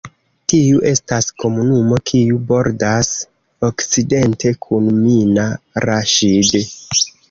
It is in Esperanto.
Tiu estas komunumo kiu bordas okcidente kun Mina Raŝid.